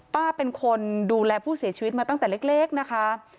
ป้าเป็นคนดูแลผู้เสียชีวิตมาตั้งแต่เล็กนะคะ